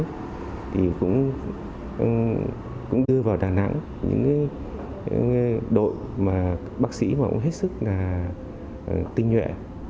thì cũng đưa vào đà nẵng những đội bác sĩ mà cũng hết sức tinh nhuệ